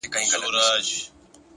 نیک نیت زړونه نږدې کوي.!